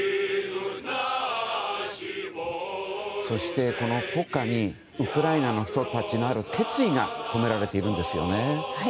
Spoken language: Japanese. そして、この国歌にウクライナの人たちのある決意が込められているんですよね。